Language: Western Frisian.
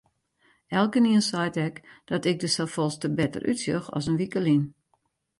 Elkenien seit ek dat ik der safolleste better útsjoch as in wike lyn.